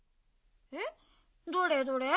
えっどれどれ？